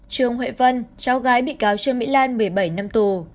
trương huệ vân cháu gái bị cáo trương mỹ lan một mươi bảy năm tù